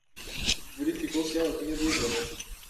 Verificou que ela tinha diabetes